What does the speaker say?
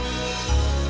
sampai jumpa lagi